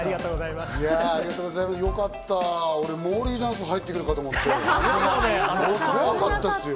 よかった、俺、モーリーダンス入ってくるかと思って、怖かったすよ。